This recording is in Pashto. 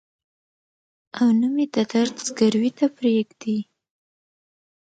او نه مې د درد ځګروي ته پرېږدي.